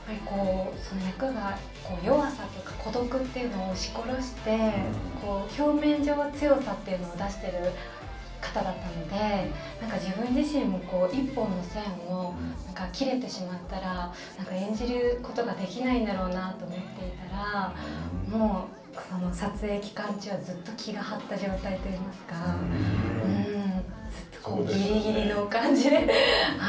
その役が弱さとか孤独を押し殺して表面上は強さを出している役だったので自分自身も、１本の線が切れてしまったら演じることはできないんだろうなと思っていたらその撮影期間中、ずっと気が張った状態といいますかずっと、ぎりぎりの感じで。